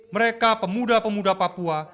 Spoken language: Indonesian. mereka pemuda pemuda papua